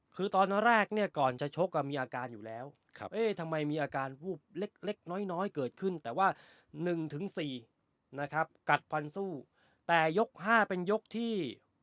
คือตอนแรกเนี่ยก่อนจะชกมีอาการอยู่แล้วเอ๊ะทำไมมีอาการวูบเล็กน้อยเกิดขึ้นแต่ว่า๑๔นะครับกัดฟันสู้แต่ยก๕เป็นยกที่